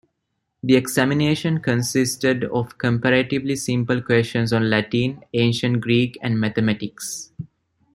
The examination consisted of comparatively simple questions on Latin, Ancient Greek, and mathematics.